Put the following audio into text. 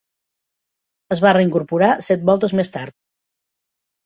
Es va reincorporar set voltes més tard.